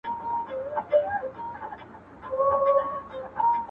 ما نیولې نن ده بس روژه د محبت په نوم,